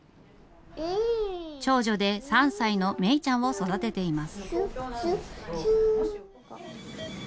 長女で３歳の芽ちゃんを育てています。